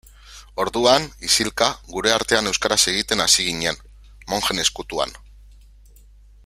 Orduan, isilka, gure artean euskaraz egiten hasi ginen, mojen ezkutuan.